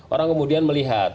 orang kemudian melihat